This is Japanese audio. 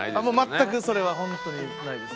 全くそれは本当にないですね。